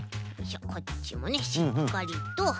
こっちもねしっかりと。